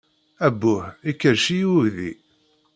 Abbuh! Ikerrec-iyi uydi.